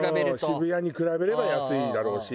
渋谷に比べれば安いんだろうし。